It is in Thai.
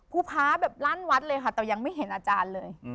พระแบบลั่นวัดเลยค่ะแต่ยังไม่เห็นอาจารย์เลย